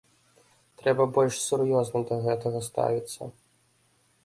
Трэба больш сур'ёзна да гэтага ставіцца.